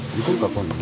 今度。